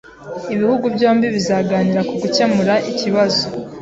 Ibihugu byombi bizaganira ku gukemura ikibazo.